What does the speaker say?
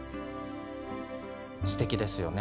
すてきですよね。